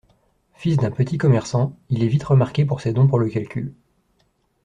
Fils d'un petit commerçant, il est vite remarqué pour ses dons pour le calcul.